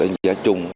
ở giá chung